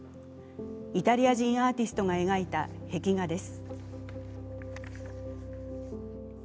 イタリア人アーティストが描いた壁画です。